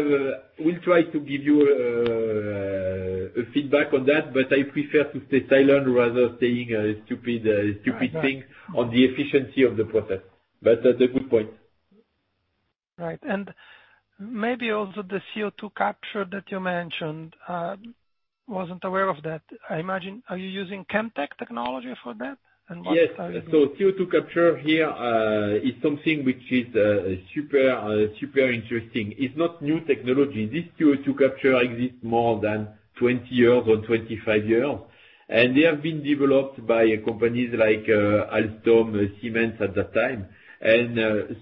will try to give you a feedback on that. I prefer to stay silent rather than saying a stupid thing. All right. on the efficiency of the process. That's a good point. Right. Maybe also the CO₂ capture that you mentioned. Wasn't aware of that. I imagine. Are you using Chemtech technology for that? What are you doing? Yes. CO₂ capture here is something which is super interesting. It's not new technology. This CO2 capture exists more than 20 years or 25 years, and they have been developed by companies like Alstom, Siemens at that time.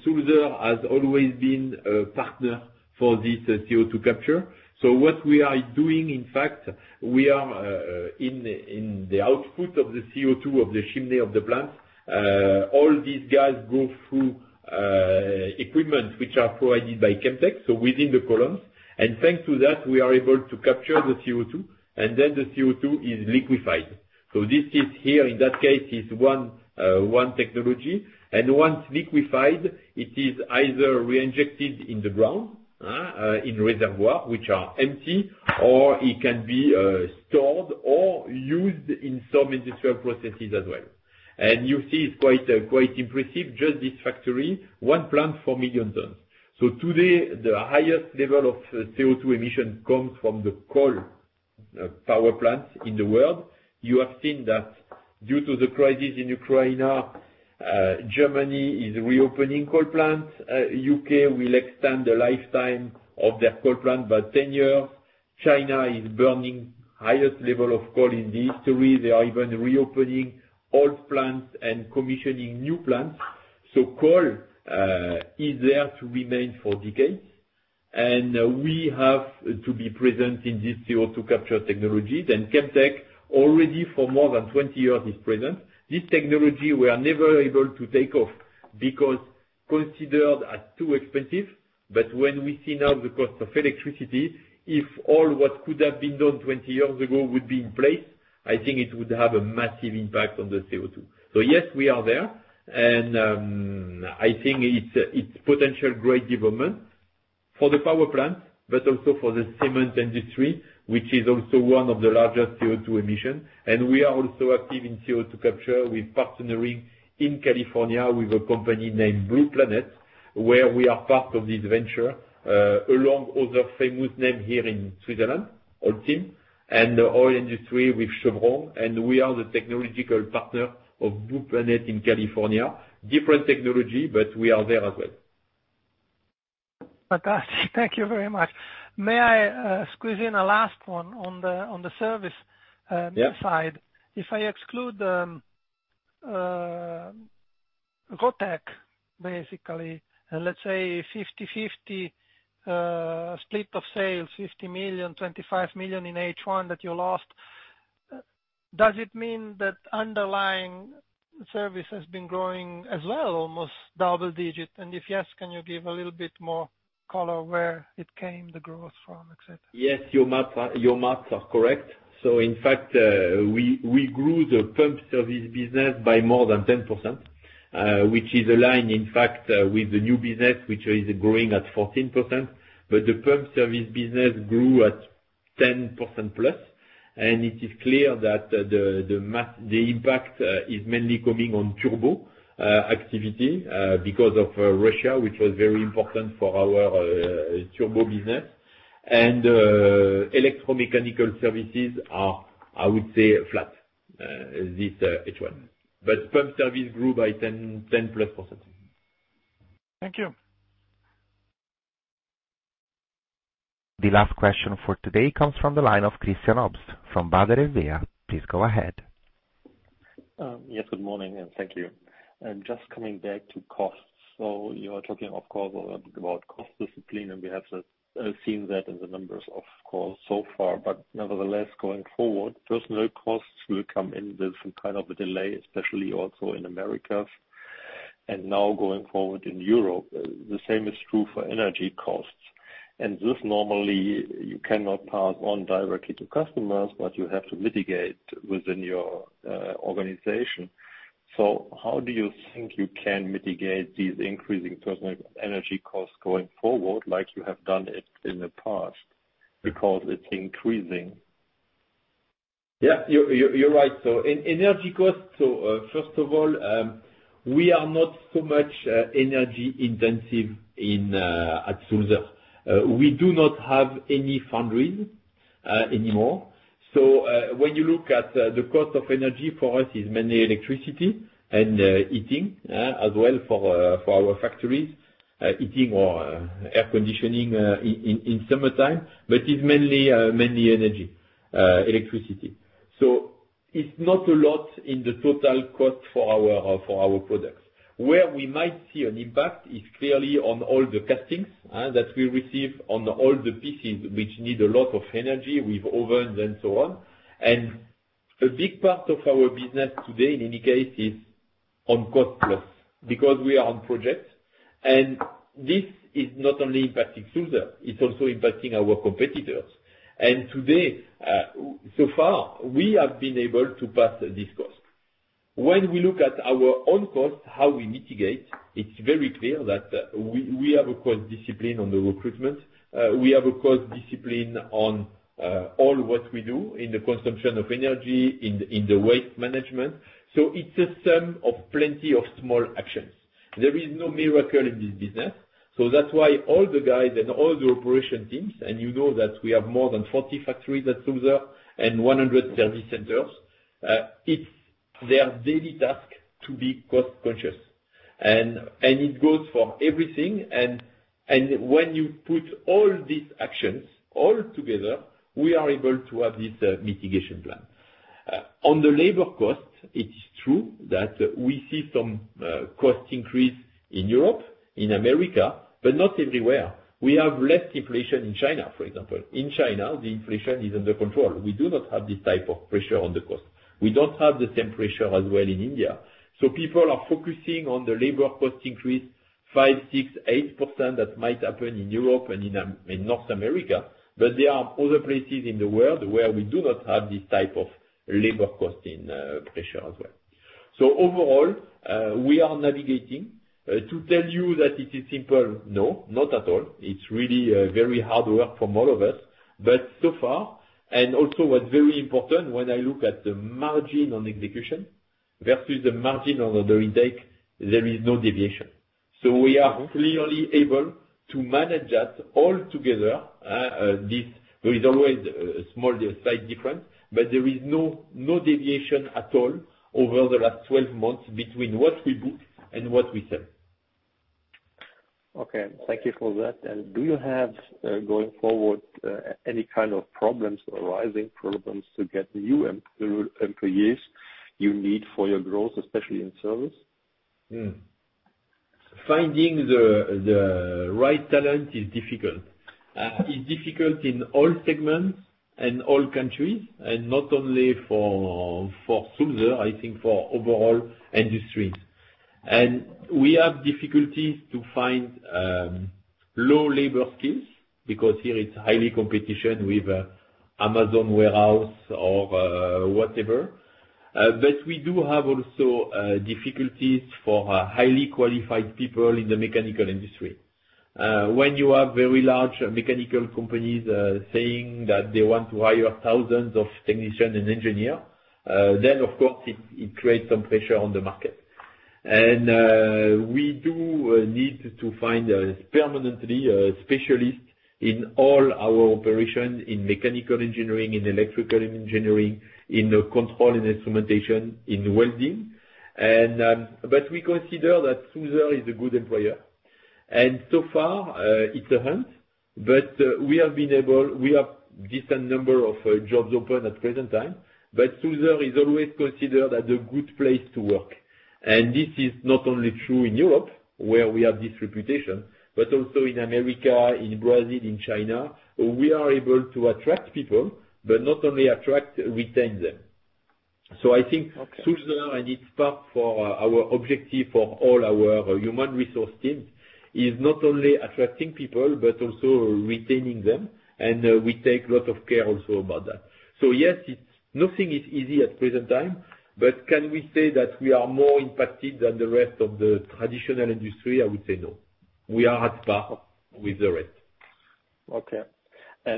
Sulzer has always been a partner for this CO₂ capture. What we are doing, in fact, we are in the output of the CO₂, of the chimney of the plant, all these guys go through equipment which are provided by Chemtech, within the columns. Thanks to that, we are able to capture the CO₂, and then the CO₂ is liquefied. This is here, in that case, one technology. Once liquefied, it is either reinjected in the ground, in reservoir, which are empty, or it can be, stored or used in some industrial processes as well. You see it's quite impressive, just this factory, one plant, 4 million tons. Today, the highest level of CO₂ emission comes from the coal power plants in the world. You have seen that due to the crisis in Ukraine, Germany is reopening coal plants. U.K. will extend the lifetime of their coal plant by 10 years. China is burning highest level of coal in the history. They are even reopening old plants and commissioning new plants. Coal is there to remain for decades, and we have to be present in this CO2 capture technologies. Chemtech already for more than 20 years is present. This technology, we are never able to take off because considered as too expensive. When we see now the cost of electricity, if all what could have been done 20 years ago would be in place, I think it would have a massive impact on the CO₂. Yes, we are there. I think it's potential great development for the power plant, but also for the cement industry, which is also one of the largest CO₂ emission. We are also active in CO₂ capture with partnering in California with a company named Blue Planet, where we are part of this venture, along other famous name here in Switzerland, Holcim, and oil industry with Chevron, and we are the technological partner of Blue Planet in California. Different technology, but we are there as well. Fantastic. Thank you very much. May I squeeze in a last one on the service? Yeah. Upside? If I exclude Russia, basically, and let's say 50/50 split of sales, 50 million, 25 million in H1 that you lost, does it mean that underlying Service has been growing as well, almost double-digit. If yes, can you give a little bit more color where the growth came from, et cetera? Yes, your math is correct. In fact, we grew the pump service business by more than 10%, which is aligned, in fact, with the new business, which is growing at 14%. The pump service business grew at 10%+. It is clear that the impact is mainly coming on turbo activity because of Russia, which was very important for our turbo business. Electromechanical services are, I would say, flat this H1. Pump service grew by 10%+. Thank you. The last question for today comes from the line of Christian Obst from Baader Helvea. Please go ahead. Yes, good morning, and thank you. Just coming back to costs. You are talking of course about cost discipline, and we have seen that in the numbers, of course, so far. Nevertheless, going forward, personnel costs will come in with some kind of a delay, especially also in Americas and now going forward in Europe, the same is true for energy costs. This normally you cannot pass on directly to customers, but you have to mitigate within your organization. How do you think you can mitigate these increasing personnel and energy costs going forward like you have done it in the past? Because it's increasing. Yeah, you're right. In energy costs, first of all, we are not so much energy intensive at Sulzer. We do not have any foundry anymore. When you look at the cost of energy for us is mainly electricity and heating as well for our factories, heating or air conditioning in summertime, but it's mainly electricity. It's not a lot in the total cost for our products. Where we might see an impact is clearly on all the castings that we receive on all the pieces which need a lot of energy with ovens and so on. A big part of our business today in any case is on cost plus because we are on projects, and this is not only impacting Sulzer, it's also impacting our competitors. Today, so far, we have been able to pass this cost. When we look at our own costs, how we mitigate, it's very clear that we have a cost discipline on the recruitment. We have a cost discipline on all what we do in the consumption of energy, in the waste management. It's a sum of plenty of small actions. There is no miracle in this business. That's why all the guys and all the operation teams, and you know that we have more than 40 factories at Sulzer and 100 service centers, it's their daily task to be cost conscious. It goes for everything and when you put all these actions together, we are able to have this mitigation plan. On the labor cost, it's true that we see some cost increase in Europe, in America, but not everywhere. We have less inflation in China, for example. In China, the inflation is under control. We do not have this type of pressure on the cost. We don't have the same pressure as well in India. People are focusing on the labor cost increase 5%, 6%, 8% that might happen in Europe and in North America. There are other places in the world where we do not have this type of labor cost pressure as well. Overall, we are navigating. To tell you that it is simple, no, not at all. It's really very hard work from all of us. So far, and also what's very important when I look at the margin on execution versus the margin on the intake, there is no deviation. We are clearly able to manage that all together. There's always a small size difference, but there is no deviation at all over the last 12 months between what we book and what we sell. Okay, thank you for that. Do you have, going forward, any kind of problems or rising problems to get the new employees you need for your growth, especially in service? Finding the right talent is difficult. It's difficult in all segments and all countries, and not only for Sulzer, I think for overall industry. We have difficulties to find low labor skills because here it's high competition with Amazon warehouse or whatever. But we do have also difficulties for highly qualified people in the mechanical industry. When you have very large mechanical companies saying that they want to hire thousands of technicians and engineers, then of course it creates some pressure on the market. We do need to find permanently a specialist in all our operations in mechanical engineering, in electrical engineering, in control and instrumentation, in welding. But we consider that Sulzer is a good employer. So far, it's a hunt, but we have a decent number of jobs open at present time. Sulzer is always considered as a good place to work. This is not only true in Europe, where we have this reputation, but also in America, in Brazil, in China. We are able to attract people, but not only attract, retain them. I think Sulzer and it's part of our objective for all our human resources team is not only attracting people, but also retaining them. We take a lot of care also about that. Yes, it's nothing is easy at present time, but can we say that we are more impacted than the rest of the traditional industry? I would say no. We are at par with the rest. Okay.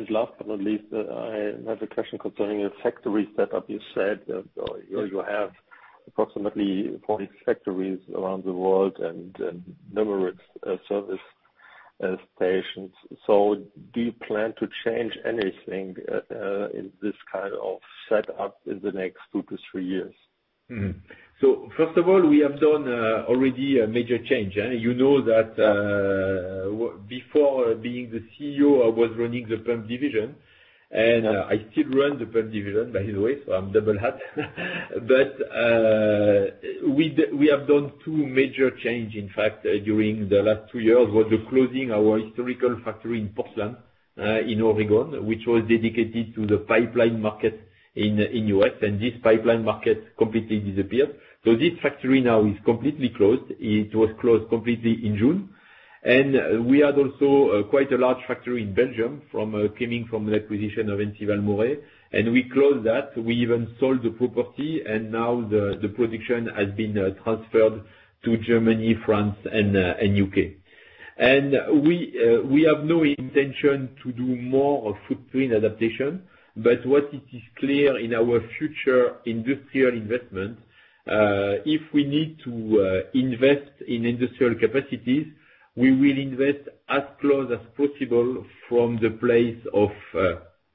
Last but not least, I have a question concerning a factory setup. You said that you have approximately 40 factories around the world and numerous service stations. Do you plan to change anything in this kind of setup in the next 2-3 years? First of all, we have done already a major change. You know that, before being the CEO, I was running the pump division and I still run the pump division, by the way, so I'm double hat. We have done two major change, in fact, during the last two years, was the closing our historical factory in Portland, in Oregon, which was dedicated to the pipeline market in U.S. and this pipeline market completely disappeared. This factory now is completely closed. It was closed completely in June. We had also quite a large factory in Belgium from coming from the acquisition of Ensival Moret, and we closed that. We even sold the property, and now the production has been transferred to Germany, France, and U.K. We have no intention to do more of footprint adaptation, but what is clear in our future industrial investment, if we need to invest in industrial capacities, we will invest as close as possible from the place of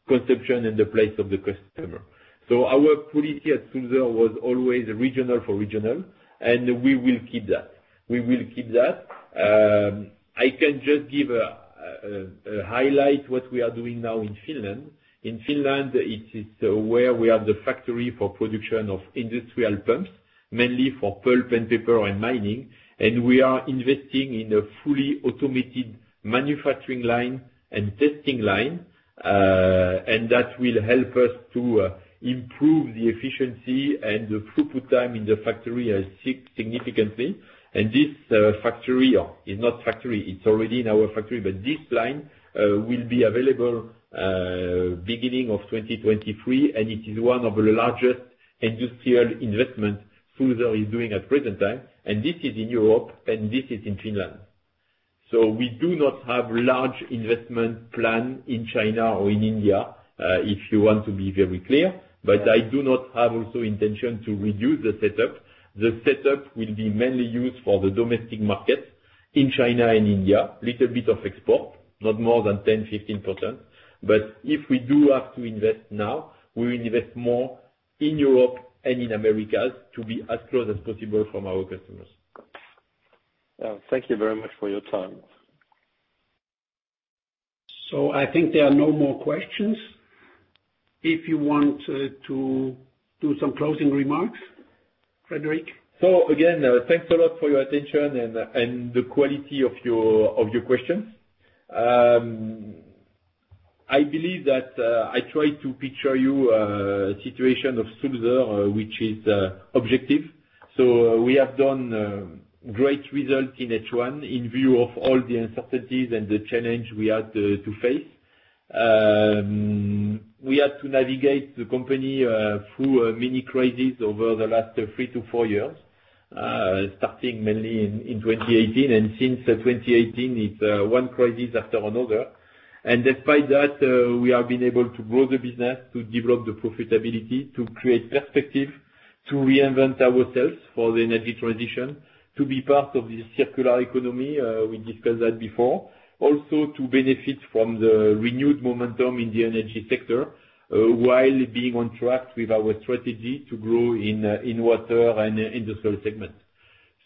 consumption and the place of the customer. Our policy at Sulzer was always regional for regional, and we will keep that. We will keep that. I can just give a highlight what we are doing now in Finland. In Finland it is where we have the factory for production of industrial pumps, mainly for pulp and paper and mining. We are investing in a fully automated manufacturing line and testing line, and that will help us to improve the efficiency and the throughput time in the factory, significantly. This is already in our factory, but this line will be available beginning of 2023, and it is one of the largest industrial investment Sulzer is doing at present time. This is in Europe, and this is in Finland. We do not have large investment plan in China or in India, if you want to be very clear. I do not have also intention to reduce the setup. The setup will be mainly used for the domestic market in China and India, little bit of export, not more than 10%-15%. If we do have to invest now, we will invest more in Europe and in Americas to be as close as possible from our customers. Thank you very much for your time. I think there are no more questions. If you want to do some closing remarks, Frédéric. Again, thanks a lot for your attention and the quality of your questions. I believe that I tried to picture the situation of Sulzer, which is objective. We have done great results in H1 in view of all the uncertainties and the challenge we had to face. We had to navigate the company through a mini crisis over the last 3-4 years, starting mainly in 2018. Since 2018, it's one crisis after another. Despite that, we have been able to grow the business, to develop the profitability, to create perspective, to reinvent ourselves for the energy transition, to be part of the circular economy, we discussed that before. Also to benefit from the renewed momentum in the energy sector, while being on track with our strategy to grow in water and industrial segments.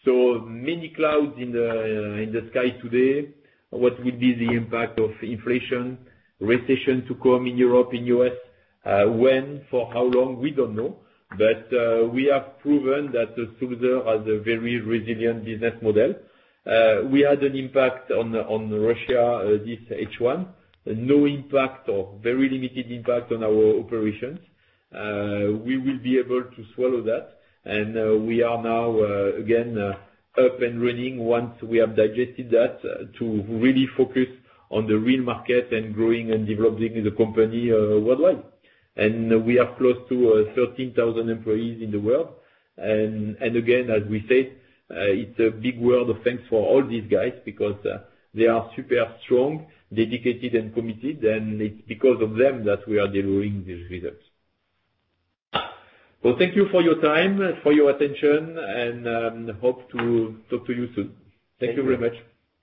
So many clouds in the sky today. What will be the impact of inflation, recession to come in Europe, in U.S., when, for how long? We don't know. We have proven that Sulzer has a very resilient business model. We had an impact on Russia this H1. No impact or very limited impact on our operations. We will be able to swallow that. We are now again up and running once we have digested that, to really focus on the real market and growing and developing the company worldwide. We are close to 13,000 employees in the world. again, as we said, it's a big word of thanks for all these guys because they are super strong, dedicated, and committed, and it's because of them that we are delivering these results. Thank you for your time and for your attention and hope to talk to you soon. Thank you very much.